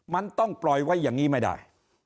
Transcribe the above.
มันต้องปล่อยไว้อย่างนี้ไม่ได้